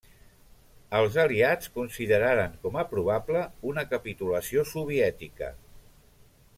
Els aliats consideraren com a probable una capitulació soviètica.